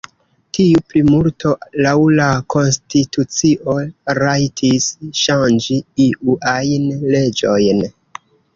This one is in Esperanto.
Tiu plimulto laŭ la konstitucio rajtis ŝanĝi iu ajn leĝojn.